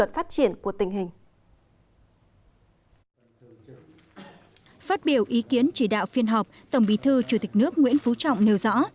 phát biểu ý kiến chỉ đạo phiên họp tổng bí thư chủ tịch nước nguyễn phú trọng nêu rõ